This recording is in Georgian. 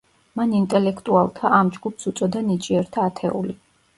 მან ინტელექტუალთა ამ ჯგუფს უწოდა „ნიჭიერთა ათეული“.